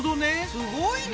すごいね。